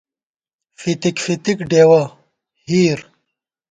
فِتِک فِتِک ڈېوَہ (ہِیر)